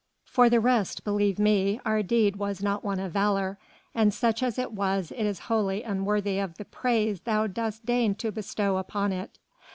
For the rest, believe me, our deed was not one of valour, and such as it was it is wholly unworthy of the praise thou dost deign to bestow upon it.